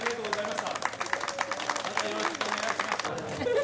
またよろしくお願いします。